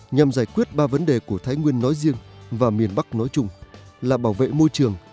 nhằm giải quyết ba vấn đề của thái nguyên nói riêng và miền bắc nói chung là bảo vệ môi trường